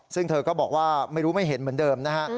ซึ่งเธอก็บอกว่าไม่รู้ไม่เห็นเหมือนเดิมนะฮะ